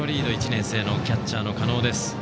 １年生のキャッチャーの加納です。